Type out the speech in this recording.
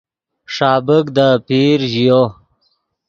ݰابیک دے آپیر ژیو